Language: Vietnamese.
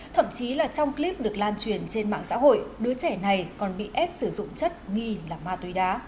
thậm chí là trong clip được lan truyền trên mạng xã hội đứa trẻ này còn bị ép sử dụng chất nghi là ma túy đá